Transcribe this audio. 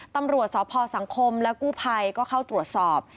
ตำรวจสพสังคมและกู้ภัยก็เข้าตรวจสอบ